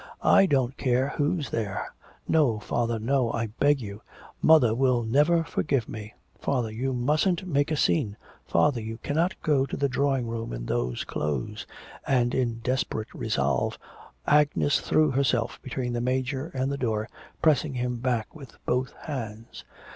'I don't care who's there.' 'No, father, no; I beg of you. Mother will never forgive me.... Father, you mustn't make a scene. Father, you cannot go to the drawing room in those clothes,' and in desperate resolve, Agnes threw herself between the Major and the door, pressing him back with both hands.